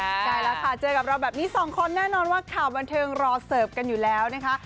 ใช่แล้วค่ะเจอกับเราแบบนี้สองคนแน่นอนว่าข่าวบันเทิงรอเสิร์ฟกันอยู่แล้วนะคะ